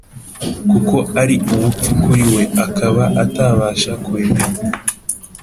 kuko ari ubupfu kuri we, akaba atabasha kubimenya,